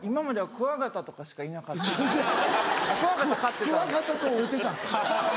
クワガタと会うてたん？